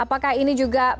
apakah ini juga mengganggu